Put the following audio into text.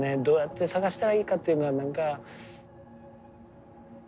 どうやって捜したらいいかっていうのはなんか。